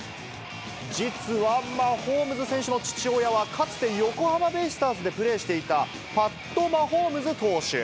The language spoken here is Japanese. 実はマホームズ選手の父親は、かつて横浜ベイスターズでプレーしていたパット・マホームズ投手。